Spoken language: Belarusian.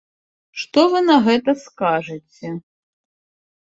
Што вы на гэта скажаце?